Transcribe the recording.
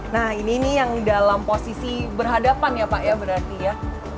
nah ini yang dalam posisi berhadapan ya pak ya berarti ya